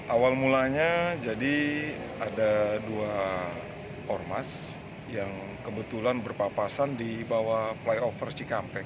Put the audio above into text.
awal mulanya jadi ada dua ormas yang kebetulan berpapasan di bawah flyover cikampek